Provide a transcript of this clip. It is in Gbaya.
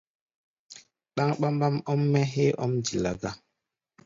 Ɗáŋ ɓambaŋ ɔ́m-mɛ́ héé ɔ́m dila gá!